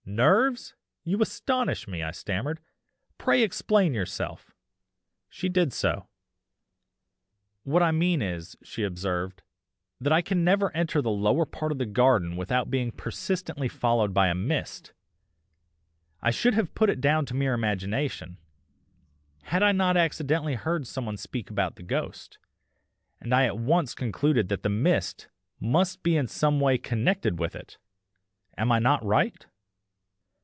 Nerves! you astonish me,' I stammered, 'pray explain yourself.' She did so. "'What I mean is,' she observed, 'that I can never enter the lower part of the kitchen garden without being persistently followed by a "mist" I should have put it down to mere imagination, had I not accidentally heard some one speak about the ghost, and I at once concluded that the mist must in some way be connected with it am I not right?